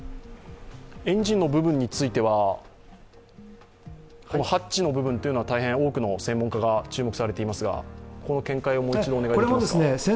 エンジンの部分についてはハッチの部分は大変多くの専門家が注目されていますが、この見解をもう一度お願いします。